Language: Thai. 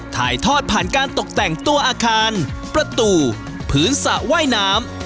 ถ่ายทอดผ่านการตกแต่งตัวอาคารประตูพื้นสระว่ายน้ำ